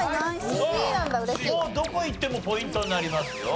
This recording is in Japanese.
さあもうどこいってもポイントになりますよ。